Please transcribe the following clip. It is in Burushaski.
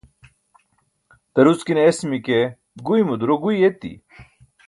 daruckine esimi ke guymo duro guyi eti